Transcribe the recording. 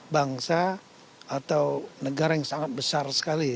bangsa atau negara yang sangat besar sekali